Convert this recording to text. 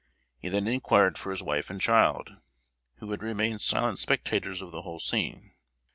He then inquired for his wife and child, who had remained silent spectators of the whole scene.